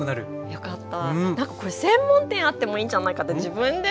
よかった。